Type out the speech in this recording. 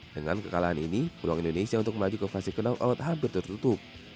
dengan kekalahan ini peluang indonesia untuk melalui kondisi knockout hampir tertutup